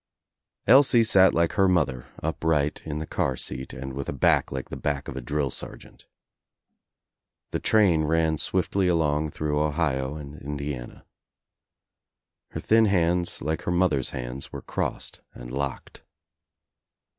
Elsie sat like her mother, ujft ight in the car seat and with a back like the back of a drill sergeant. The train ran swiftly along through Ohio and Indiana. Her thin hands like her mother's hands were crossed and locked.